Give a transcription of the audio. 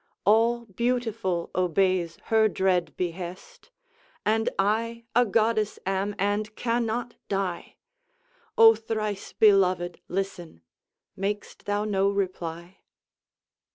All beautiful obeys her dread behest And I a goddess am, and cannot die! O thrice beloved, listen! mak'st thou no reply?